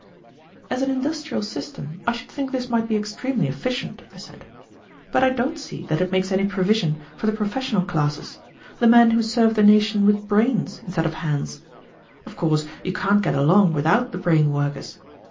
"As an industrial system, I should think this might be extremely efficient," I said, "but I don't see that it makes any provision for the professional classes, the men who serve the nation with brains instead of hands. Of course you can't get along without the brain workers.